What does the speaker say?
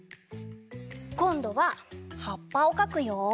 こんどははっぱをかくよ。